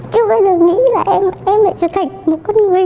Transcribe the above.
chưa bao giờ nghĩ là em lại trở thành một con người như thế này